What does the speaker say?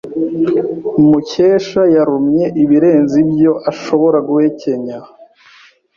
Mukesha yarumye ibirenze ibyo ashobora guhekenya.